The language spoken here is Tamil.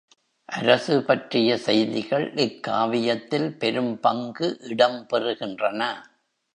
அரசு பற்றிய செய்திகள் இக்காவியத்தில் பெரும்பங்கு இடம் பெறுகின்றன.